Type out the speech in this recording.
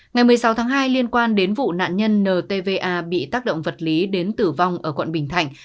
ngày một mươi sáu tháng hai liên quan đến vụ nạn nhân ntva bị tác động vật lý đến tử vong ở quận bình thạnh